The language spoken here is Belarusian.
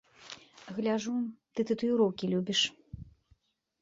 Гляджу, ты татуіроўкі любіш.